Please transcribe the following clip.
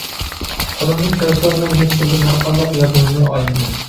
قولۇمدىن كەلسىلا، مەن ھېچكىمدىن ھەر قانداق ياردىمىمنى ئايىمىدىم.